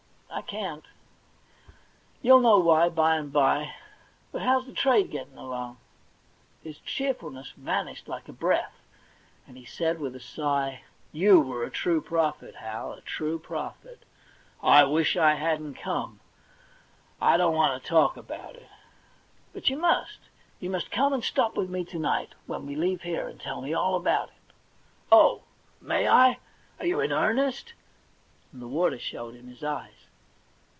* I can't. You'll know why, by and by. But how's the trade getting along ?' His cheerfulness vanished like a breath, and he said with a sigh :* You were a true pro]phet, Hal, a true prophet. I wish I hadn't come. I don't want to talk about it.' *But you must. You must come and stop with me to night, when we leave here, and tell me all about it.' * Oh, may I ? Are you in earnest ?' and the water showed in his eyes.